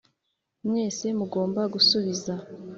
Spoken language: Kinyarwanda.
mwese mugomba gusubiza